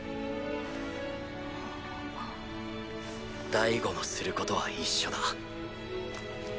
大吾のすることは一緒だ